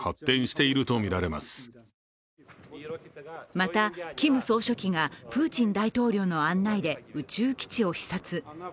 また、キム総書記がプーチン大統領の案内で宇宙基地を視察。